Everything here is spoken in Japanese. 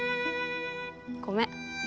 ごめん。